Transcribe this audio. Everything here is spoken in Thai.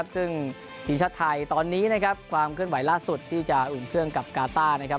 ซึ่งทีมชาติไทยตอนนี้นะครับความเคลื่อนไหวล่าสุดที่จะอุ่นเครื่องกับกาต้านะครับ